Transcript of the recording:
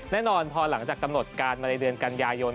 แน่นอนพอหลังจากกำหนดการมาในเดือนกันยายน